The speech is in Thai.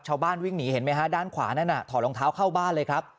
วิ่งหนีเห็นไหมฮะด้านขวานั่นน่ะถอดรองเท้าเข้าบ้านเลยครับ